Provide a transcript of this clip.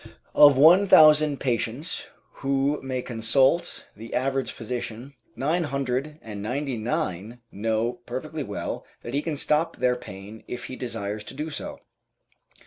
Of one thousand patients who may consult the average physician, nine hundred and ninety nine know perfectly well that he can stop their pain if he desires to do so.